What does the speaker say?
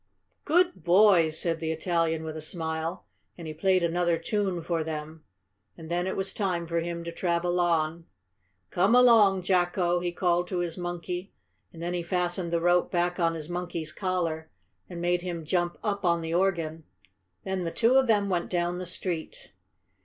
"Good boys!" said the Italian with a smile, and he played another tune for them. And then it was time for him to travel on. "Come along, Jacko!" he called to his monkey, and then he fastened the rope back on his monkey's collar and made him jump up on the organ. Then the two of them went down the street.